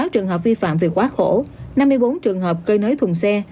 ba mươi sáu trường hợp vi phạm về quá khổ năm mươi bốn trường hợp cơi nới thùng xe